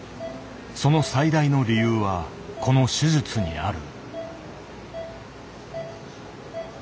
その最大の理由はこの手術にある。